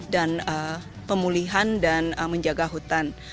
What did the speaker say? dan pemulihan dan menjaga hutan